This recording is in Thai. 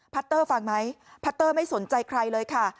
เตอร์ฟังไหมพัตเตอร์ไม่สนใจใครเลยค่ะ